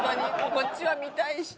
こっちは見たいし。